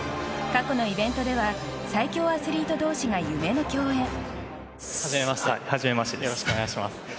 過去のイベントでは最強アスリート同士が夢の共演。